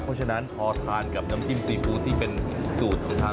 เพราะฉะนั้นพอทานกับน้ำจิ้มซีฟู้ดที่เป็นสูตรของทาง